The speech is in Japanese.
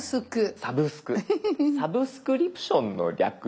「サブスクリプション」の略ですよね。